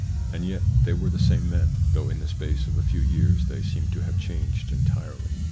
And yet they were the same men, though in the space of a few years they seem to have changed entirely.